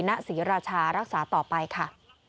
ณศรีราชารักษาต่อไปค่ะ